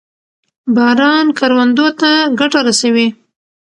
باران کروندو ته ګټه رسوي.